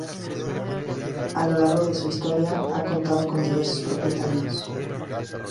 A lo largo de su historia ha contado con diversos propietarios.